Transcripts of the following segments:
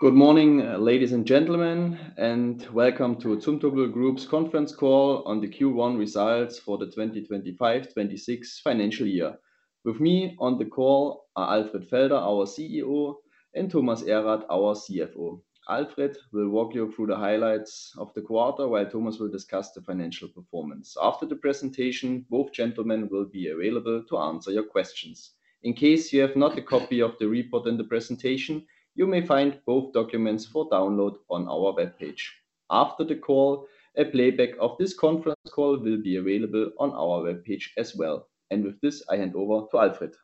Good morning, ladies and gentlemen, and welcome to Zumtobel Group's conference call on the Q1 results for the 2025-2026 financial year. With me on the call are Alfred Felder, our CEO, and Thomas Erath, our CFO. Alfred will walk you through the highlights of the quarter, while Thomas will discuss the financial performance. After the presentation, both gentlemen will be available to answer your questions. In case you have not a copy of the report in the presentation, you may find both documents for download on our webpage. After the call, a playback of this conference call will be available on our webpage as well. And with this, I hand over to Alfred.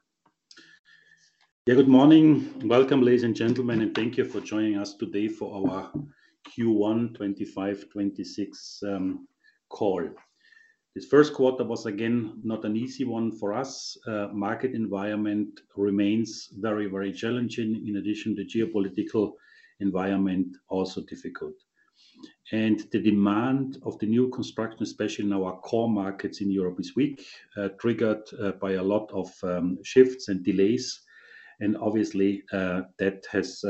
Yeah, good morning. Welcome, ladies and gentlemen, and thank you for joining us today for our Q1 2025-2026 call. This first quarter was again not an easy one for us. Market environment remains very, very challenging, in addition to geopolitical environment also difficult, and the demand of the new construction, especially in our core markets in Europe, is weak, triggered by a lot of shifts and delays. And obviously, that has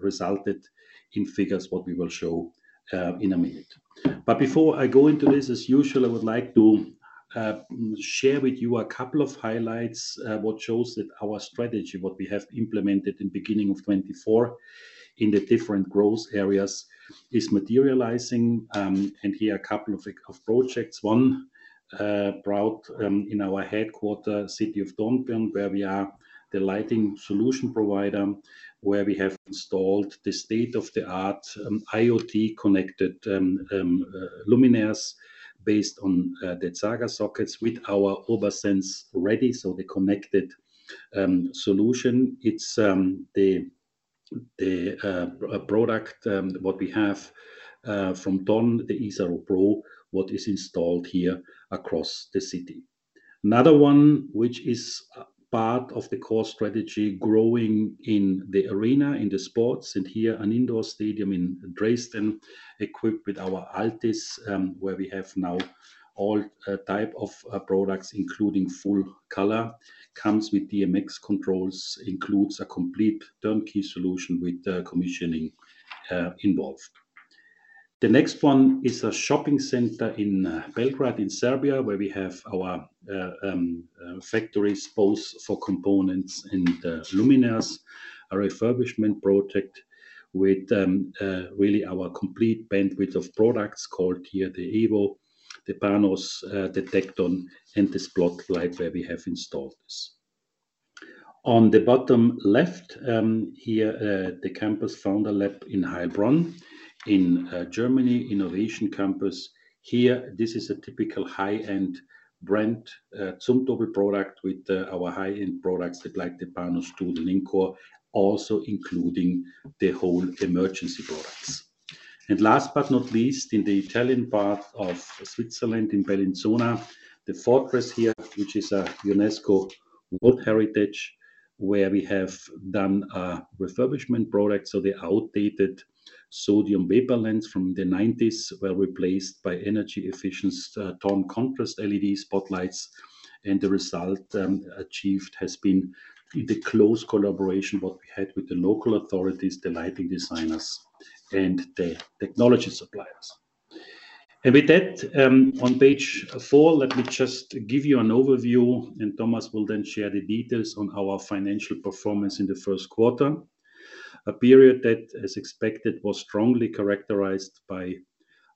resulted in figures what we will show in a minute, but before I go into this, as usual, I would like to share with you a couple of highlights what shows that our strategy, what we have implemented in the beginning of 2024 in the different growth areas, is materializing, and here are a couple of projects. One brought in our headquarters city of Dornbirn where we are the lighting solution provider, where we have installed the state-of-the-art IoT connected luminaires based on the Zhaga sockets with our UrbaSens ready, so the connected solution, it's the product what we have from Dornbirn, the Isaro Pro, what is installed here across the city. Another one, which is part of the core strategy, growing in the arena, in the sports, and here an indoor stadium in Dresden equipped with our Altis, where we have now all type of products, including full color, comes with DMX controls, includes a complete turnkey solution with commissioning involved. The next one is a shopping center in Belgrade in Serbia, where we have our factories both for components and luminaires, a refurbishment project with really our complete bandwidth of products called here the EVO, the PANOS, the TECTON, and the SPOTLIGHT where we have installed. On the bottom left here, the Campus Founder Lab in Heilbronn, Germany, Innovation Campus. Here, this is a typical high-end brand Zumtobel product with our high-end products like the PANOS to the LINCOR, also including the whole emergency products, and last but not least, in the Italian part of Switzerland in Bellinzona, the Fortress here, which is a UNESCO World Heritage, where we have done a refurbishment project, so the outdated sodium vapor lamps from the 90s were replaced by energy-efficient tone contrast LED spotlights, and the result achieved has been the close collaboration that we had with the local authorities, the lighting designers, and the technology suppliers. And with that, on page four, let me just give you an overview, and Thomas will then share the details on our financial performance in the first quarter, a period that, as expected, was strongly characterized by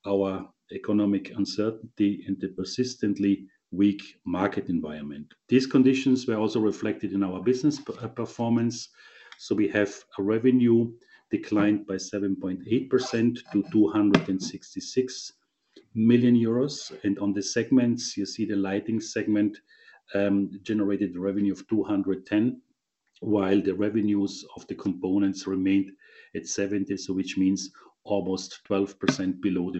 our economic uncertainty and the persistently weak market environment. These conditions were also reflected in our business performance. So we have revenue declined by 7.8% to 266 million euros. And on the segments, you see the lighting segment generated revenue of 210, while the revenues of the components remained at 70, which means almost 12% below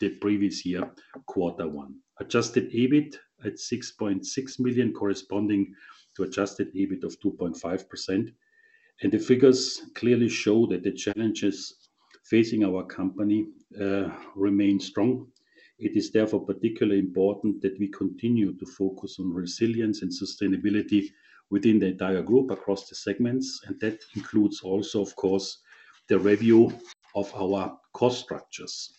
the previous year, quarter one. Adjusted EBIT at 6.6 million, corresponding to adjusted EBIT of 2.5%. And the figures clearly show that the challenges facing our company remain strong. It is therefore particularly important that we continue to focus on resilience and sustainability within the entire group across the segments. That includes also, of course, the review of our cost structures.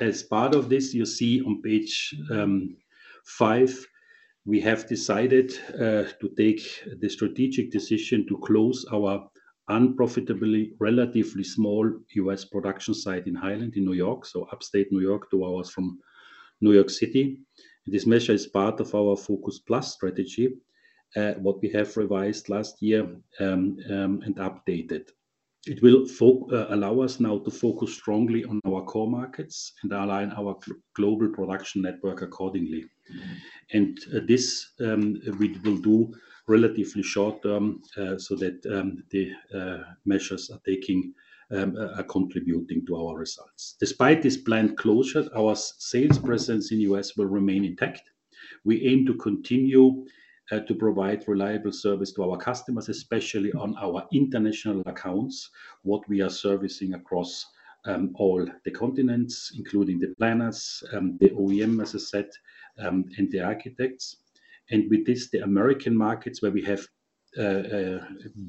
As part of this, you see on page five, we have decided to take the strategic decision to close our unprofitably relatively small U.S. production site in Highland in New York, so upstate New York two hours from New York City. This measure is part of our Focus+ strategy, which we have revised last year and updated. It will allow us now to focus strongly on our core markets and align our global production network accordingly. This we will do relatively short term so that the measures we are taking are contributing to our results. Despite this planned closure, our sales presence in the U.S. will remain intact. We aim to continue to provide reliable service to our customers, especially on our international accounts, what we are servicing across all the continents, including the planners, the OEM, as I said, and the architects, and with this, the American markets, where we have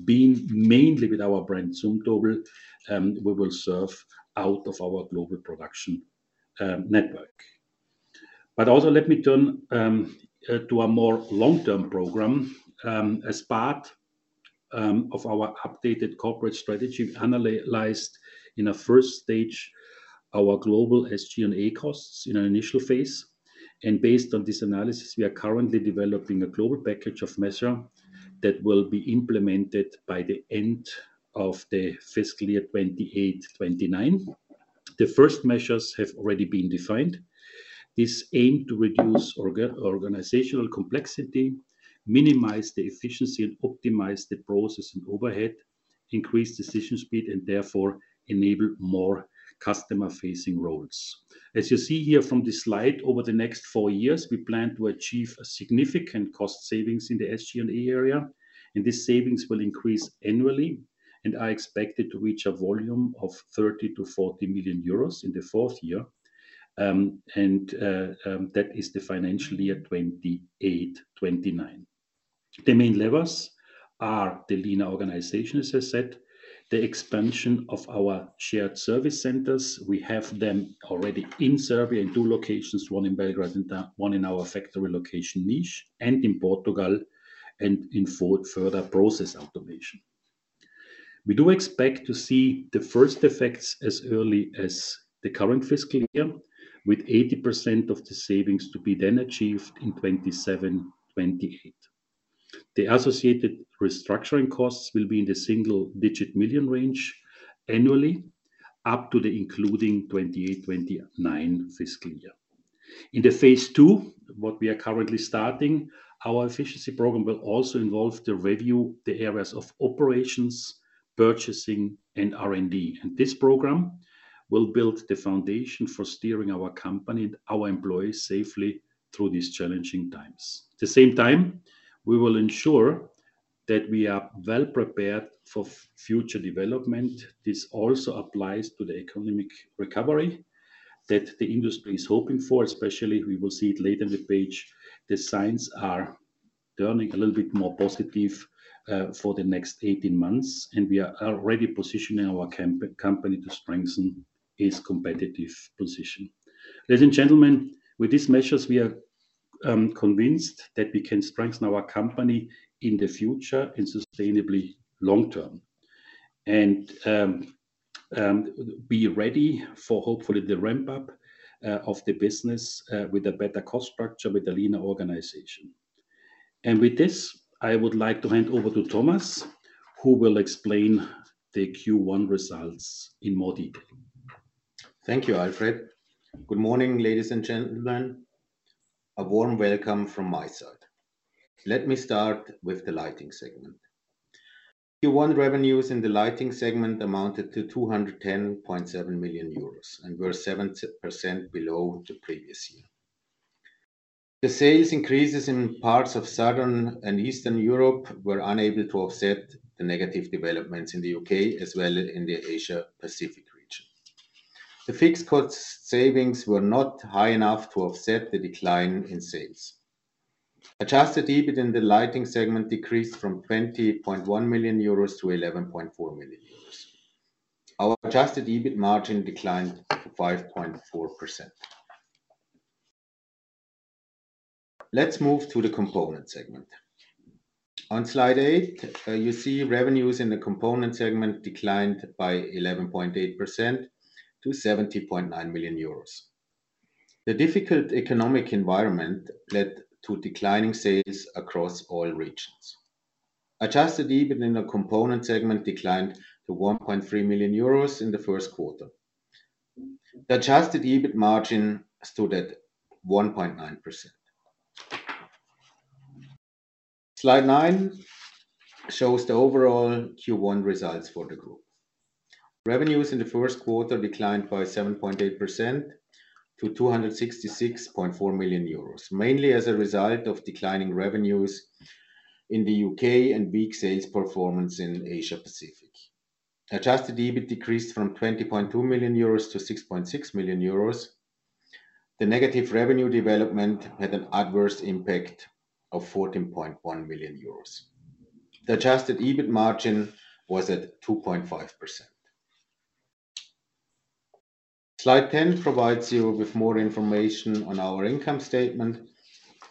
been mainly with our brand Zumtobel, we will serve out of our global production network, but also let me turn to a more long-term program. As part of our updated corporate strategy, we analyzed in a first stage our global SG&A costs in an initial phase, and based on this analysis, we are currently developing a global package of measures that will be implemented by the end of the fiscal year 2028-2029. The first measures have already been defined. This aim to reduce organizational complexity, minimize the efficiency, and optimize the process and overhead, increase decision speed, and therefore enable more customer-facing roles. As you see here from this slide, over the next four years, we plan to achieve significant cost savings in the SG&A area. And these savings will increase annually, and are expected to reach a volume of 30 million-40 million euros in the fourth year. And that is the financial year 2028-2029. The main levers are the lean organization, as I said, the expansion of our shared service centers. We have them already in Serbia in two locations, one in Belgrade and one in our factory location Niš, and in Portugal and in further process automation. We do expect to see the first effects as early as the current fiscal year, with 80% of the savings to be then achieved in 2027-2028. The associated restructuring costs will be in the single-digit million range annually up to and including 2028-2029 fiscal year. In the phase two, what we are currently starting, our efficiency program will also involve the review of the areas of operations, purchasing, and R&D. And this program will build the foundation for steering our company and our employees safely through these challenging times. At the same time, we will ensure that we are well prepared for future development. This also applies to the economic recovery that the industry is hoping for, especially we will see it later in the page. The signs are turning a little bit more positive for the next 18 months, and we are already positioning our company to strengthen its competitive position. Ladies and gentlemen, with these measures, we are convinced that we can strengthen our company in the future and sustainably long term. And be ready for hopefully the ramp-up of the business with a better cost structure with the lean organization. With this, I would like to hand over to Thomas, who will explain the Q1 results in more detail. Thank you, Alfred. Good morning, ladies and gentlemen. A warm welcome from my side. Let me start with the lighting segment. Q1 revenues in the lighting segment amounted to 210.7 million euros, and we're 7% below the previous year. The sales increases in parts of southern and eastern Europe were unable to offset the negative developments in the U.K., as well as in the Asia-Pacific region. The fixed cost savings were not high enough to offset the decline in sales. Adjusted EBIT in the lighting segment decreased from 20.1 million euros to 11.4 million euros. Our adjusted EBIT margin declined 5.4%. Let's move to the component segment. On slide eight, you see revenues in the component segment declined by 11.8% to 70.9 million euros. The difficult economic environment led to declining sales across all regions. Adjusted EBIT in the component segment declined to 1.3 million euros in the first quarter. The adjusted EBIT margin stood at 1.9%. Slide nine shows the overall Q1 results for the group. Revenues in the first quarter declined by 7.8% to 266.4 million euros, mainly as a result of declining revenues in the U.K. and weak sales performance in Asia-Pacific. Adjusted EBIT decreased from 20.2 million euros to 6.6 million euros. The negative revenue development had an adverse impact of 14.1 million euros. The adjusted EBIT margin was at 2.5%. Slide 10 provides you with more information on our income statement.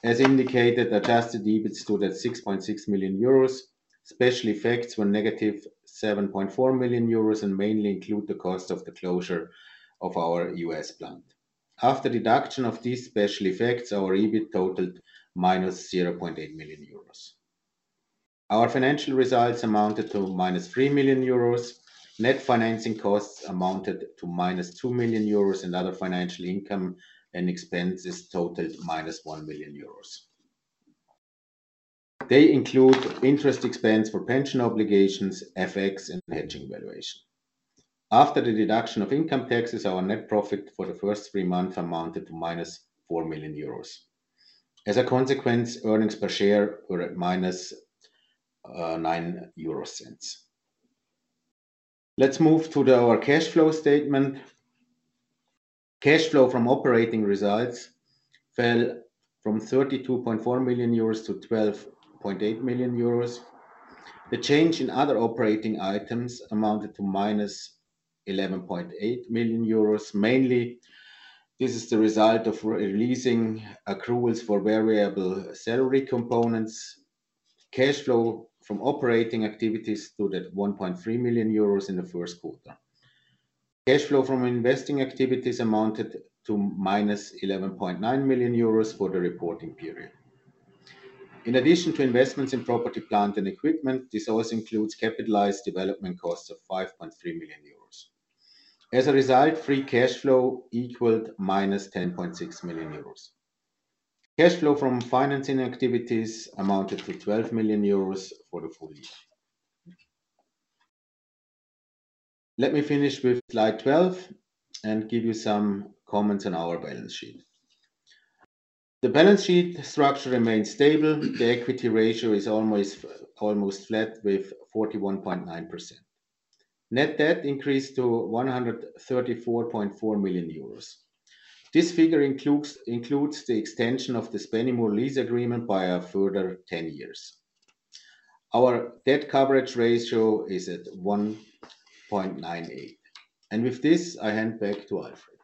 As indicated, adjusted EBIT stood at 6.6 million euros. Special effects were -7.4 million euros and mainly include the cost of the closure of our U.S. plant. After deduction of these special effects, our EBIT totaled -0.8 million euros. Our financial results amounted to -3 million euros. Net financing costs amounted to -2 million euros, and other financial income and expenses totaled -1 million euros. They include interest expense for pension obligations, FX, and hedging valuation. After the deduction of income taxes, our net profit for the first three months amounted to -4 million euros. As a consequence, earnings per share were at -0.09. Let's move to our cash flow statement. Cash flow from operating results fell from 32.4 million euros to 12.8 million euros. The change in other operating items amounted to -11.8 million euros. Mainly, this is the result of releasing accruals for variable salary components. Cash flow from operating activities stood at 1.3 million euros in the first quarter. Cash flow from investing activities amounted to -11.9 million euros for the reporting period. In addition to investments in property, plant and equipment, this also includes capitalized development costs of 5.3 million euros. As a result, free cash flow equaled -10.6 million euros. Cash flow from financing activities amounted to 12 million euros for the full year. Let me finish with slide 12 and give you some comments on our balance sheet. The balance sheet structure remains stable. The equity ratio is almost flat with 41.9%. Net debt increased to 134.4 million euros. This figure includes the extension of the Spennymoor lease agreement by a further 10 years. Our debt coverage ratio is at 1.98, and with this, I hand back to Alfred.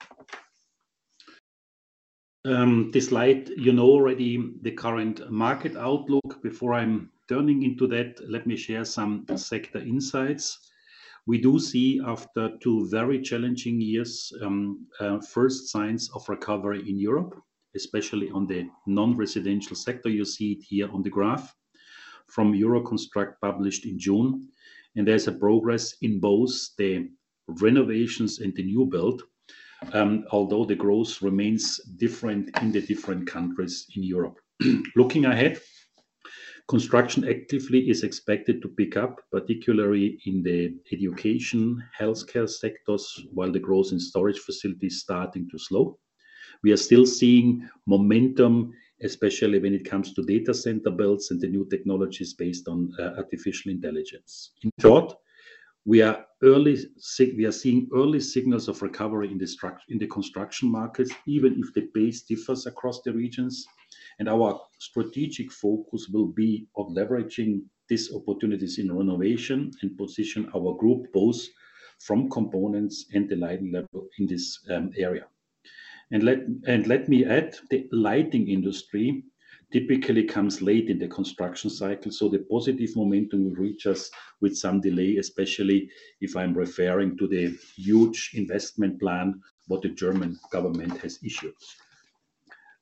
This slide, you know already the current market outlook. Before I'm turning into that, let me share some sector insights. We do see after two very challenging years, first signs of recovery in Europe, especially on the non-residential sector. You see it here on the graph from Euroconstruct published in June, and there's a progress in both the renovations and the new build, although the growth remains different in the different countries in Europe. Looking ahead, construction actively is expected to pick up, particularly in the education, healthcare sectors, while the growth in storage facilities is starting to slow. We are still seeing momentum, especially when it comes to data center builds and the new technologies based on artificial intelligence. In short, we are seeing early signals of recovery in the construction markets, even if the base differs across the regions. Our strategic focus will be on leveraging these opportunities in renovation and position our group both from components and the lighting level in this area. Let me add, the lighting industry typically comes late in the construction cycle, so the positive momentum will reach us with some delay, especially if I'm referring to the huge investment plan what the German government has issued.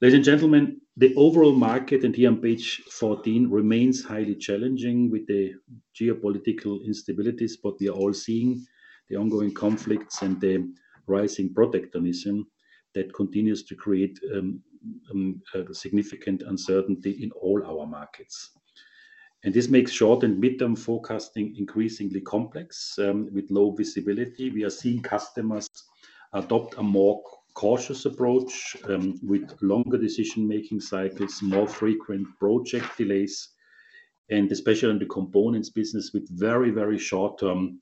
Ladies and gentlemen, the overall market, and here on page 14, remains highly challenging with the geopolitical instabilities, but we are all seeing the ongoing conflicts and the rising protectionism that continues to create significant uncertainty in all our markets. This makes short and mid-term forecasting increasingly complex with low visibility. We are seeing customers adopt a more cautious approach with longer decision-making cycles, more frequent project delays, and especially in the components business with very, very short-term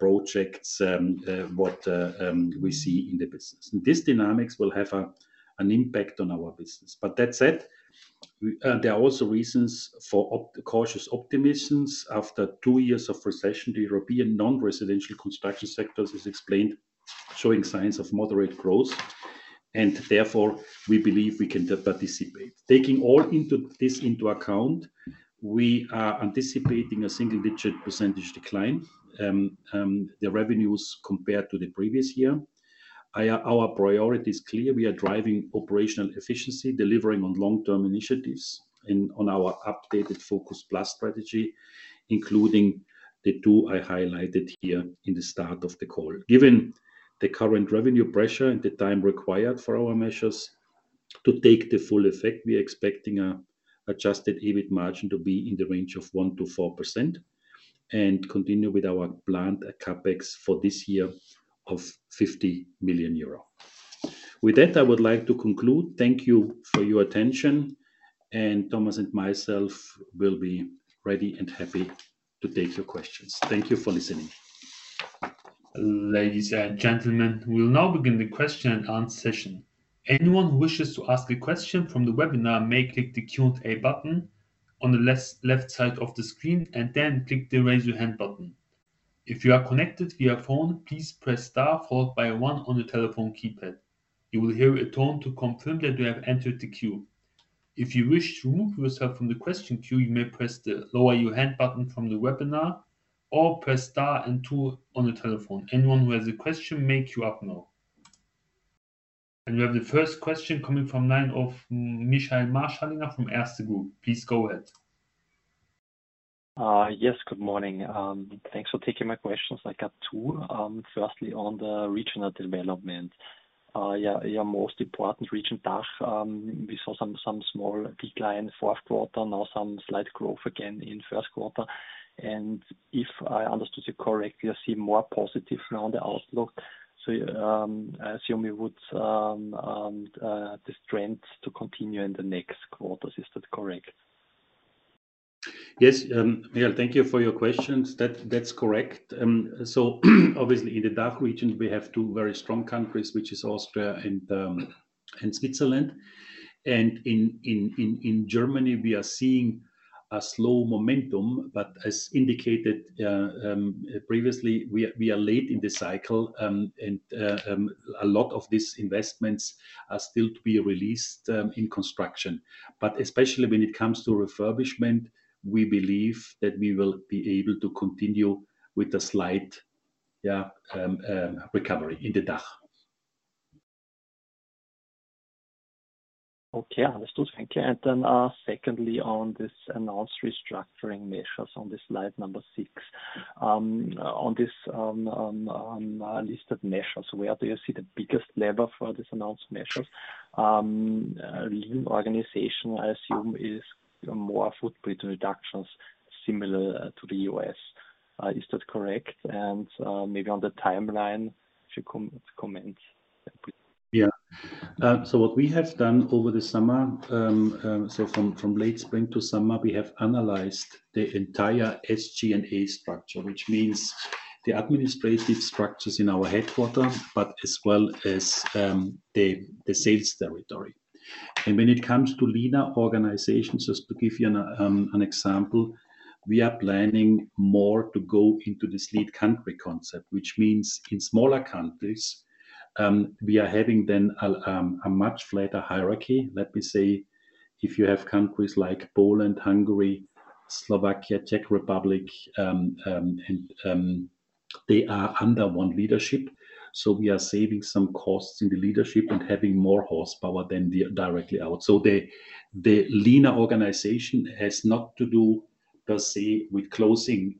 projects, what we see in the business. This dynamics will have an impact on our business, but that said, there are also reasons for cautious optimisms. After two years of recession, the European non-residential construction sectors, as explained, showing signs of moderate growth, and therefore, we believe we can participate. Taking all this into account, we are anticipating a single-digit % decline in the revenues compared to the previous year. Our priority is clear. We are driving operational efficiency, delivering on long-term initiatives and on our updated Focus+ strategy, including the two I highlighted here in the start of the call. Given the current revenue pressure and the time required for our measures to take the full effect, we are expecting an adjusted EBIT margin to be in the range of 1%-4% and continue with our planned CapEx for this year of 50 million euro. With that, I would like to conclude. Thank you for your attention, and Thomas and myself will be ready and happy to take your questions. Thank you for listening. Ladies and gentlemen, we'll now begin the question and answer session. Anyone who wishes to ask a question from the webinar may click the Q&A button on the left side of the screen and then click the Raise Your Hand button. If you are connected via phone, please press star followed by a one on the telephone keypad. You will hear a tone to confirm that you have entered the queue. If you wish to remove yourself from the question queue, you may press the Lower Your Hand button from the webinar or press star and two on the telephone. Anyone who has a question, make your way up now. And we have the first question coming from the line of Michael Marschallinger from Erste Group. Please go ahead. Yes, good morning. Thanks for taking my questions. I got two. Firstly, on the regional development, your most important region, DACH. We saw some small decline in fourth quarter, now some slight growth again in first quarter. And if I understood you correctly, I see more positive around the outlook. So I assume we would have this trend to continue in the next quarter. Is that correct? Yes, thank you for your questions. That's correct. So obviously, in the DACH region, we have two very strong countries, which is Austria and Switzerland. And in Germany, we are seeing a slow momentum. But as indicated previously, we are late in the cycle. And a lot of these investments are still to be released in construction. But especially when it comes to refurbishment, we believe that we will be able to continue with a slight recovery in the DACH. Okay, I understood. Thank you, and then secondly, on this announced restructuring measures on this slide number six, on these listed measures, where do you see the biggest lever for these announced measures? Lean organization, I assume, is more footprint reductions similar to the U.S. Is that correct, and maybe on the timeline, if you comment. Yeah, so what we have done over the summer, so from late spring to summer, we have analyzed the entire SG&A structure, which means the administrative structures in our headquarters, but as well as the sales territory, and when it comes to leaner organizations, just to give you an example, we are planning more to go into this lead country concept, which means in smaller countries, we are having then a much flatter hierarchy. Let me say, if you have countries like Poland, Hungary, Slovakia, Czech Republic, they are under one leadership, so we are saving some costs in the leadership and having more horsepower than directly out, so the leaner organization has not to do per se with closing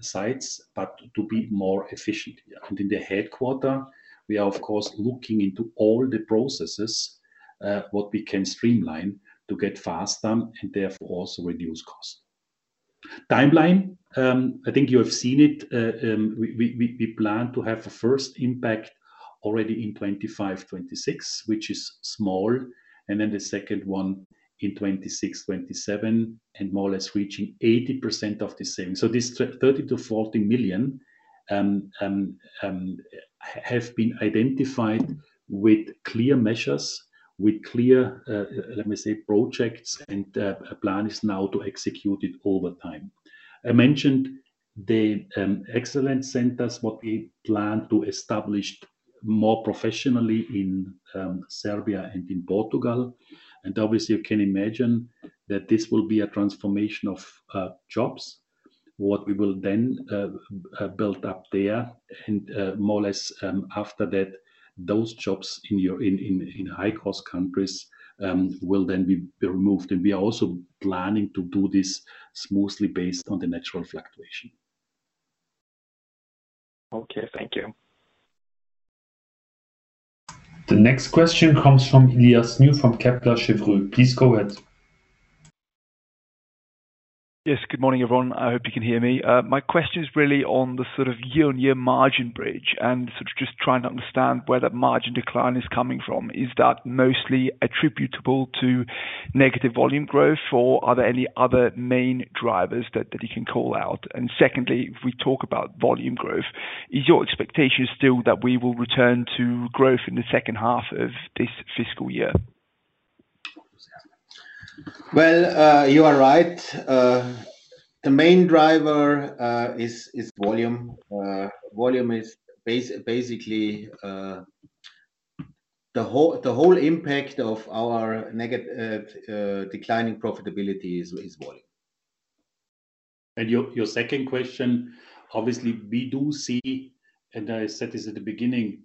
sites, but to be more efficient. In the headquarters, we are, of course, looking into all the processes, what we can streamline to get faster and therefore also reduce costs. Timeline, I think you have seen it. We plan to have the first impact already in 2025-2026, which is small, and then the second one in 2026-2027, and more or less reaching 80% of the same. So these 30 million-40 million have been identified with clear measures, with clear, let me say, projects, and a plan is now to execute it over time. I mentioned the excellence centers, what we plan to establish more professionally in Serbia and in Portugal. And obviously, you can imagine that this will be a transformation of jobs, what we will then build up there. And more or less after that, those jobs in high-cost countries will then be removed. We are also planning to do this smoothly based on the natural fluctuation. Okay, thank you. The next question comes from Elias New from Kepler Cheuvreux. Please go ahead. Yes, good morning, everyone. I hope you can hear me. My question is really on the sort of year-on-year margin bridge and sort of just trying to understand where that margin decline is coming from. Is that mostly attributable to negative volume growth, or are there any other main drivers that you can call out? And secondly, if we talk about volume growth, is your expectation still that we will return to growth in the second half of this fiscal year? You are right. The main driver is volume. Volume is basically the whole impact of our declining profitability is volume. And your second question, obviously, we do see, and I said this at the beginning,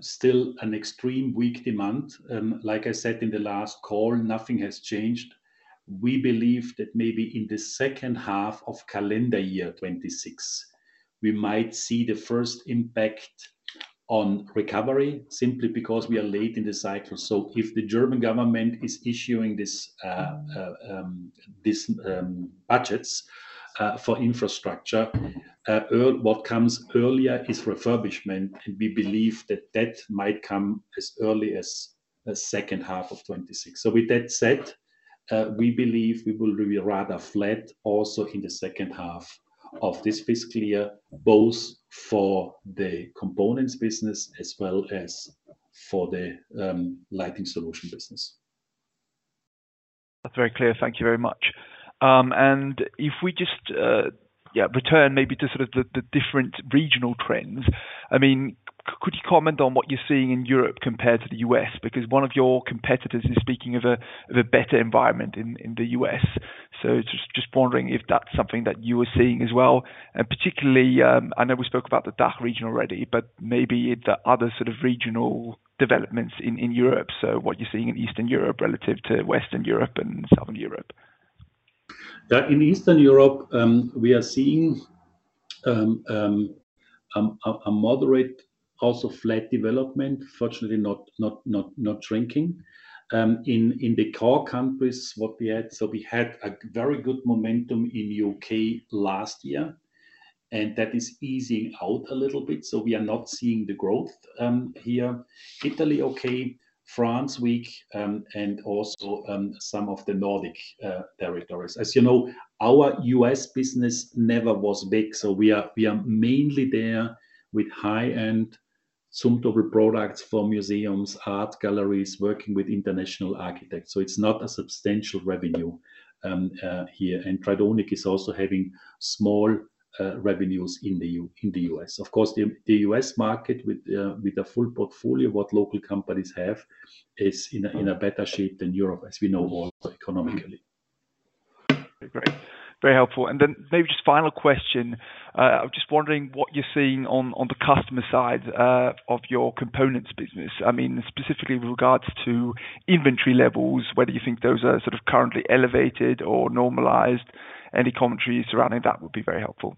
still an extremely weak demand. Like I said in the last call, nothing has changed. We believe that maybe in the second half of calendar year 2026, we might see the first impact on recovery simply because we are late in the cycle. So if the German government is issuing these budgets for infrastructure, what comes earlier is refurbishment. And we believe that that might come as early as the second half of 2026. So with that said, we believe we will be rather flat also in the second half of this fiscal year, both for the components business as well as for the lighting solution business. That's very clear. Thank you very much. And if we just return maybe to sort of the different regional trends, I mean, could you comment on what you're seeing in Europe compared to the U.S.? Because one of your competitors is speaking of a better environment in the U.S. So just wondering if that's something that you are seeing as well. And particularly, I know we spoke about the DACH region already, but maybe the other sort of regional developments in Europe. So what you're seeing in Eastern Europe relative to Western Europe and Southern Europe? In Eastern Europe, we are seeing a moderate, also flat development, fortunately not shrinking. In the core countries, what we had, so we had a very good momentum in the U.K. last year, and that is easing out a little bit, so we are not seeing the growth here. Italy, okay. France, weak, and also some of the Nordic territories. As you know, our U.S. business never was big, so we are mainly there with high-end some table products for museums, art galleries, working with international architects, so it's not a substantial revenue here, and Tridonic is also having small revenues in the U.S. Of course, the U.S. market with a full portfolio, what local companies have, is in a better shape than Europe, as we know all economically. Okay, great. Very helpful, and then maybe just final question. I'm just wondering what you're seeing on the customer side of your components business. I mean, specifically with regards to inventory levels, whether you think those are sort of currently elevated or normalized. Any commentary surrounding that would be very helpful.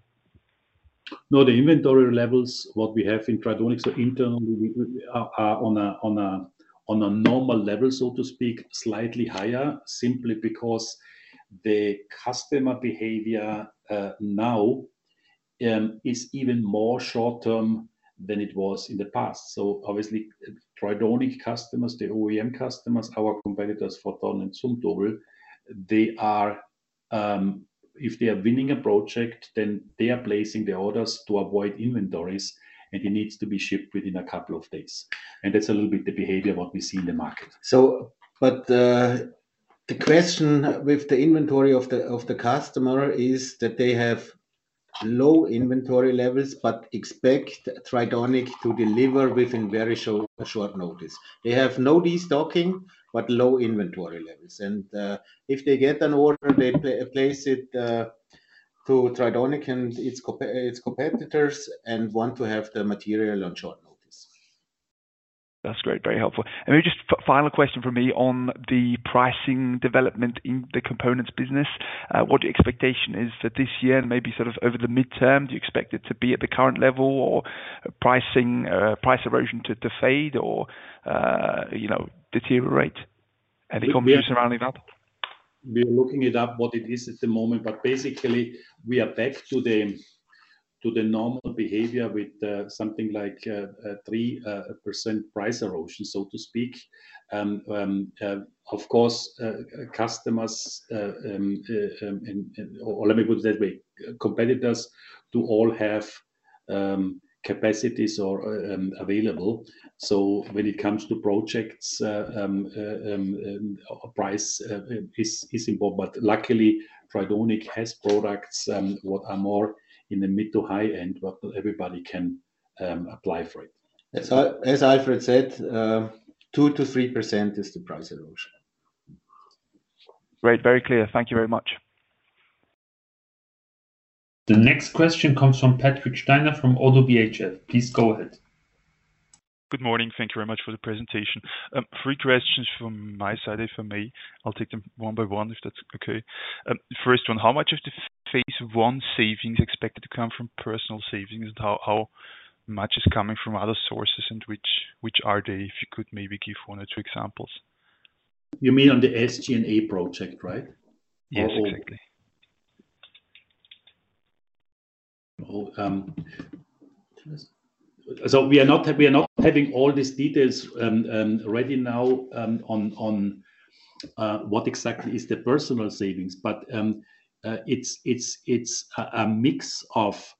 No, the inventory levels, what we have in Tridonic, so internally, we are on a normal level, so to speak, slightly higher, simply because the customer behavior now is even more short-term than it was in the past. So obviously, Tridonic customers, the OEM customers, our competitors for Thorn and Zumtobel, if they are winning a project, then they are placing the orders to avoid inventories, and it needs to be shipped within a couple of days. And that's a little bit the behavior of what we see in the market. So the question with the inventory of the customer is that they have low inventory levels, but expect Tridonic to deliver within very short notice. They have no de-stocking, but low inventory levels. And if they get an order, they place it to Tridonic and its competitors and want to have the material on short notice. That's great. Very helpful, and just final question for me on the pricing development in the components business. What your expectation is for this year and maybe sort of over the midterm, do you expect it to be at the current level or price erosion to fade or deteriorate? Any commentary surrounding that? We are looking it up what it is at the moment, but basically, we are back to the normal behavior with something like a 3% price erosion, so to speak. Of course, customers, or let me put it that way, competitors do all have capacities available. So when it comes to projects, price is important. But luckily, Tridonic has products that are more in the mid to high end, but everybody can apply for it. As Alfred said, 2%-3% is the price erosion. Great. Very clear. Thank you very much. The next question comes from Patrick Steiner from ODDO BHF. Please go ahead. Good morning. Thank you very much for the presentation. Three questions from my side for me. I'll take them one by one if that's okay. First one, how much of the phase one savings expected to come from personnel savings and how much is coming from other sources and which are they, if you could maybe give one or two examples? You mean on the SG&A project, right? Yeah, exactly. So we are not having all these details ready now on what exactly is the personal savings, but it's a mix of,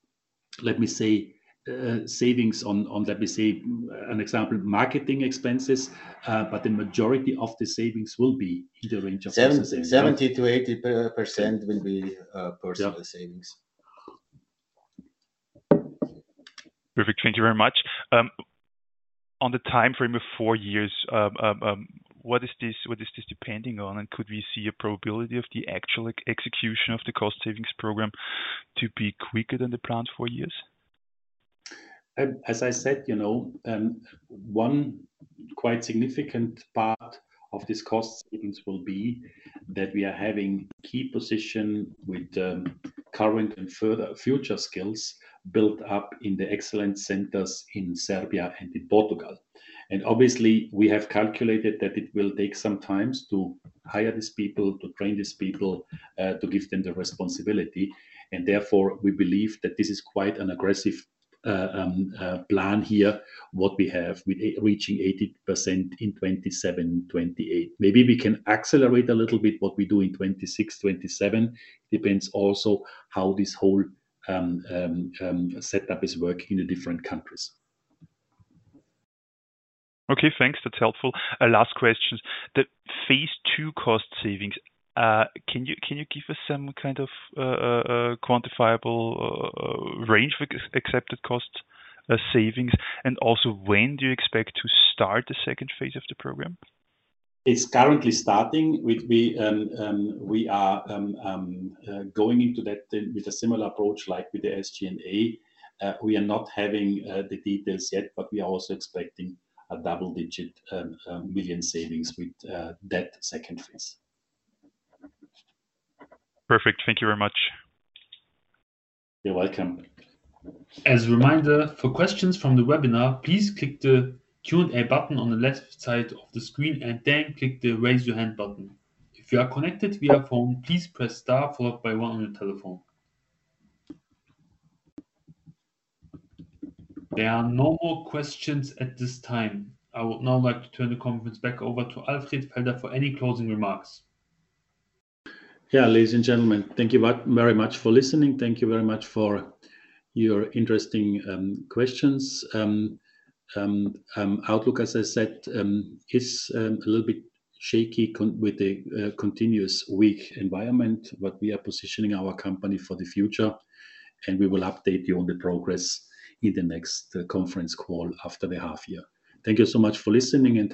let me say, savings on, let me say, an example, marketing expenses, but the majority of the savings will be during just the same thing. 70%-80% will be personal savings. Perfect. Thank you very much. On the time frame of four years, what is this depending on? And could we see a probability of the actual execution of the cost savings program to be quicker than the planned four years? As I said, you know, one quite significant part of this cost savings will be that we are having key position with current and further future skills built up in the excellence centers in Serbia and in Portugal. And obviously, we have calculated that it will take some time to hire these people, to train these people, to give them the responsibility. And therefore, we believe that this is quite an aggressive plan here, what we have with reaching 80% in 2027-2028. Maybe we can accelerate a little bit what we do in 2026-2027. Depends also how this whole setup is working in the different countries. Okay, thanks. That's helpful. Last question. Phase two cost savings, can you give us some kind of quantifiable range for accepted cost savings? And also, when do you expect to start the second phase of the program? It's currently starting. We are going into that with a similar approach like with the SG&A. We are not having the details yet, but we are also expecting a double-digit million savings with that second phase. Perfect. Thank you very much. You're welcome. As a reminder, for questions from the webinar, please click the Q&A button on the left side of the screen and then click the raise your hand button. If you are connected via phone, please press star followed by one on your telephone. There are no more questions at this time. I would now like to turn the conference back over to Alfred Felder for any closing remarks. Yeah, ladies and gentlemen, thank you very much for listening. Thank you very much for your interesting questions. Outlook, as I said, is a little bit shaky with the continuous weak environment, but we are positioning our company for the future, and we will update you on the progress in the next conference call after the half year. Thank you so much for listening and.